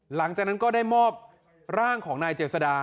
หลังจากนั้นก็ได้มอบร่างของนายเจษดา